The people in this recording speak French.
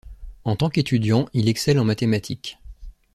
En tant qu'étudiant, il excelle en mathématiques.